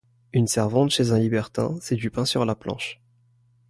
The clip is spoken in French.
Une servante chez un libertin, c’est du pain sur la planche.